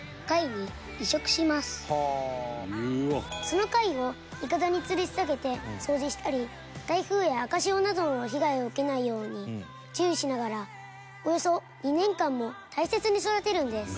その貝をいかだに吊り下げて掃除したり台風や赤潮などの被害を受けないように注意しながらおよそ２年間も大切に育てるんです。